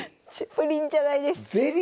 プリンじゃないです。